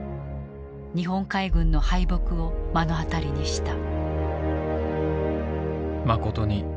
日本海軍の敗北を目の当たりにした。